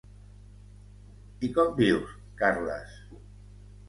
I com vius, Carles?